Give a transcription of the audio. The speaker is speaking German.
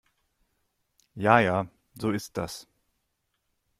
Ja ja, so ist das.